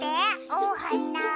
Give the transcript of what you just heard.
おはな！